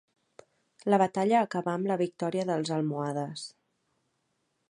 La batalla acabà amb la victòria dels almohades.